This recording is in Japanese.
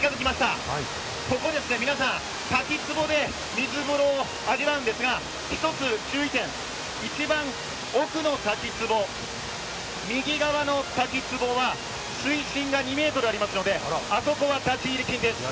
ここ、皆さん、滝つぼで水風呂なんですが、一つ注意点、一番奥の滝つぼ右側の滝つぼは、水深が２ｍありますので立ち入り禁止です。